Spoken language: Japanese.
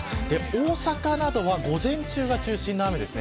大阪などは午前中が中心の雨です。